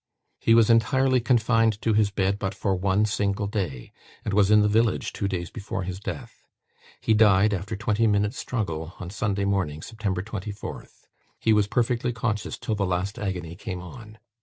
He was entirely confined to his bed but for one single day, and was in the village two days before his death. He died, after twenty minutes' struggle, on Sunday morning, September 24th. He was perfectly conscious till the last agony came on.